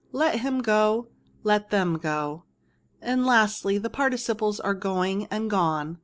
Let him go. Let thefia go. " And lastly, the participles are going and gone.